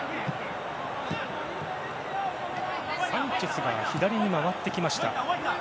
サンチェスは左に回ってきました。